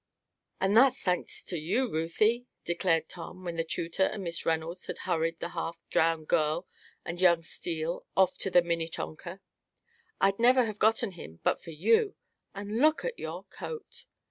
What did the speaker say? "And that's thanks to you, Ruthie!" declared Tom, when the tutor and Miss Reynolds had hurried the half drowned girl and young Steele off to the Minnetonka. "I'd never have gotten him but for you and look at your coat!"